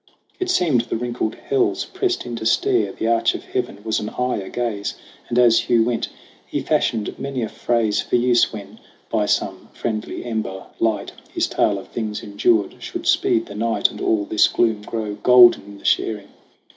It seemed the wrinkled hills pressed in to stare, The arch of heaven was an eye a gaze. And as Hugh went, he fashioned many a phrase For use when, by some friendly ember light, His tale of things endured should speed the night And all this gloom grow golden in the sharing.